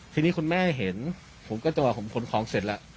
ทีนี้คุณแม่เห็นผมก็จังหวะผมขนของเสร็จแล้ว